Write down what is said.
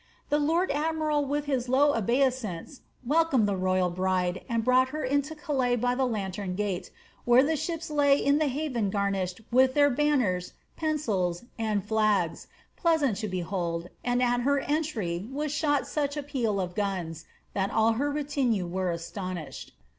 The lord admiral with a low obeisance welcomed the royal bride, and brought her into Calais by the lantern gate, where the ships lay in the haven garnished with their banners, pensils, and flags, pleasant to behold, and at her entry was shot such a peal of guns, that all her retinue were astonished."